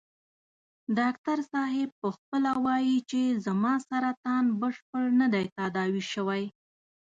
ډاکټر صاحب په خپله وايي چې زما سرطان بشپړ نه دی تداوي شوی.